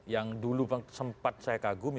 yang dulu sempat saya kagumi